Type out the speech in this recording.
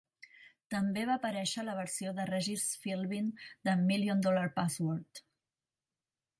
També va aparèixer a la versió de Regis Philbin de 'Million Dollar Password'.